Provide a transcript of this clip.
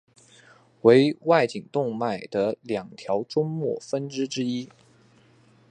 为外颈动脉的两条终末分支之一。